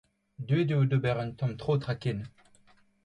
Deuet eo d'ober un tamm tro traken.